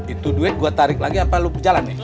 itu duit gue tarik lagi apa lo berjalan deh